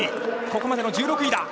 ここまでの１６位。